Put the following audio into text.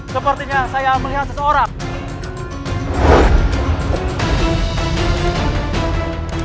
sepertinya saya melihat seseorang